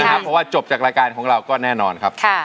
เพราะว่าจบจากรายการของเราก็แน่นอนครับ